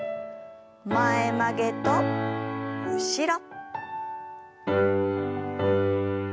前曲げと後ろ。